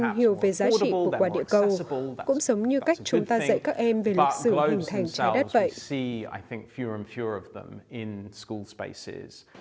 hiểu về giá trị của quả địa cầu cũng giống như cách chúng ta dạy các em về lịch sử hình thành trái đất vậy